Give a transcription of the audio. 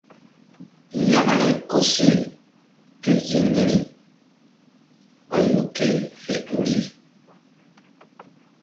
Yȩkre koseh ké ziŋ niri ɓayu ké fe ƴo ri.